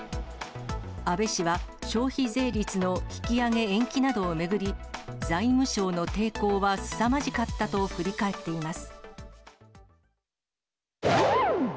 安倍氏は、消費税率の引き上げ延期などを巡り、財務省の抵抗はすさまじかったと振り返っています。